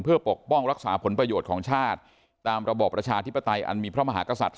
เพื่อปกป้องรักษาผลประโยชน์ของชาติตามระบอบประชาธิปไตยอันมีพระมหากษัตริย์